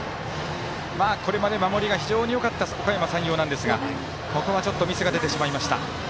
これまで守りが非常によかったおかやま山陽なんですがここはちょっとミスが出てしまいました。